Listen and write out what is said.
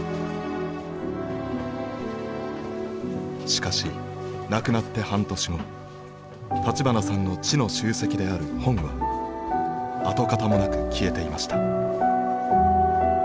しかし亡くなって半年後立花さんの知の集積である本は跡形もなく消えていました。